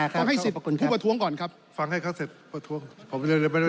ขออนุญาตประท้วงต้องให้๑๐ผู้ประท้วงก่อนครับ